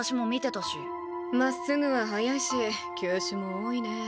まっすぐは速いし球種も多いねぇ。